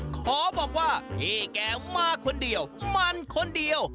ขอบอกว่าพี่แกมาคนเดียวมันคนเดียว